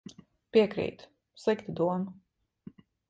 Piekrītu. Slikta doma.